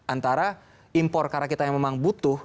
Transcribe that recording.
antara impor karena kita yang memang butuh